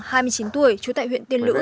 hai mươi chín tuổi trú tại huyện tiên lữ